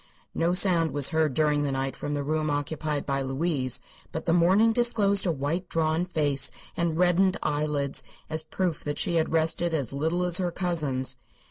No sound was heard during the night from the room occupied by Louise, but the morning disclosed a white, drawn face and reddened eyelids as proof that she had rested as little as her cousins.